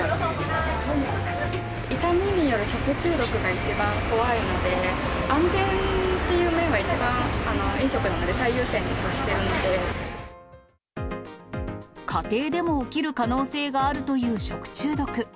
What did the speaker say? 傷みによる食中毒が一番怖いので、安全っていう面が一番、家庭でも起きる可能性があるという食中毒。